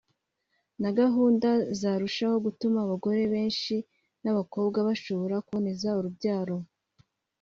na gahunda zarushaho gutuma abagore benshi n’ abakobwa bashobora kuboneza urubyaro